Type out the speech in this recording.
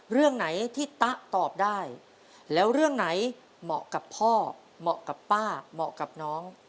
เรื่องไหนที่ตะตอบได้แล้วเรื่องไหนเหมาะกับพ่อเหมาะกับป้าเหมาะกับน้อง